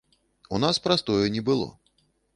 У нас прастою не было.